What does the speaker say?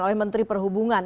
oleh menteri perhubungan